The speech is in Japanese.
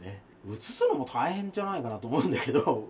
移すのも大変じゃないかなと思うんだけど。